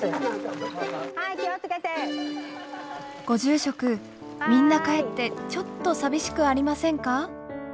ご住職みんな帰ってちょっと寂しくありませんか？